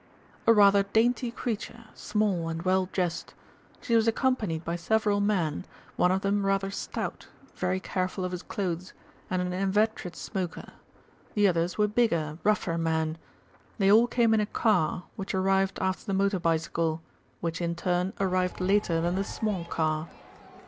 "A rather dainty creature, small and well dressed. She was accompanied by several men, one of them rather stout, very careful of his clothes, and an inveterate smoker. The others were bigger, rougher men. They all came in a car, which arrived after the motor bicycle, which in turn arrived later than the small car."